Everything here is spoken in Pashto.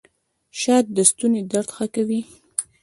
شات د ستوني درد ښه کوي